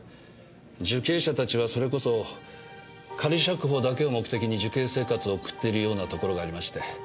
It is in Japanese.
受刑者たちはそれこそ仮釈放だけを目的に受刑生活を送っているようなところがありまして。